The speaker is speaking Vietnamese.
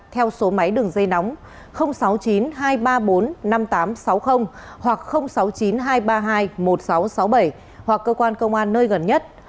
theo số máy đường dây nóng sáu mươi chín hai trăm ba mươi bốn năm nghìn tám trăm sáu mươi hoặc sáu mươi chín hai trăm ba mươi hai một nghìn sáu trăm sáu mươi bảy hoặc cơ quan công an nơi gần nhất